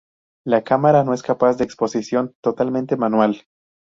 La cámara no es capaz de exposición totalmente manual.